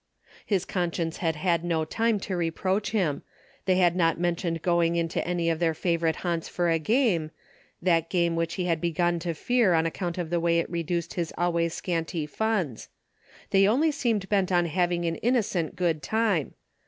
His conscience had had no time to reproach him. They had not men tioned going in to any of their favorite haunts for a game — that game which he had begun to fear on account of the way it reduced his always scanty funds. They only seemed bent on having an innocent good time.